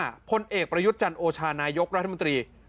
เพราะว่าคนเอกปรยุทธ์จันทร์โอชานายกรัฐมัตรี